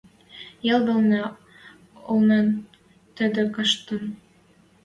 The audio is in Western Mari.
Ял вӹлнӹ олен тӹдӹ каштын.